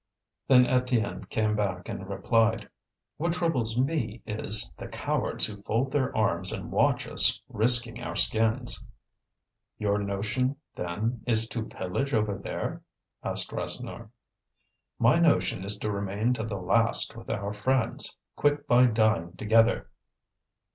Then Étienne came back and replied: "What troubles me is, the cowards who fold their arms and watch us risking our skins." "Your notion, then, is to pillage over there?" asked Rasseneur. "My notion is to remain to the last with our friends, quit by dying together."